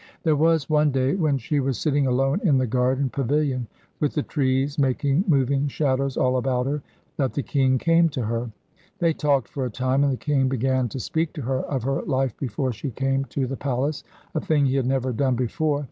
There was one day when she was sitting alone in the garden pavilion, with the trees making moving shadows all about her, that the king came to her. They talked for a time, and the king began to speak to her of her life before she came to the palace, a thing he had never done before.